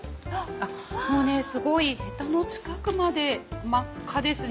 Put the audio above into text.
もうねすごいヘタの近くまで真っ赤ですね。